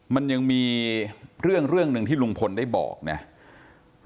มันยังมีเรื่องหนึ่งที่ลุงพลได้บอกเนี่ย